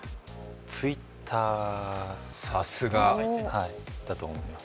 Ｔｗｉｔｔｅｒだと思います。